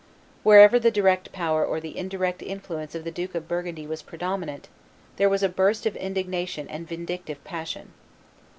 Wherever the direct power or the indirect influence of the Duke of Burgundy was predominant, there was a burst of indignation and vindictive passion.